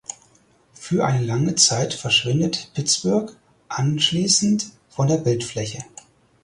Für eine lange Zeit verschwindet Pittsburgh anschließend von der Bildfläche.